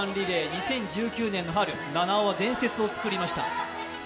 ２０１９年春、菜々緒は伝説を作りました。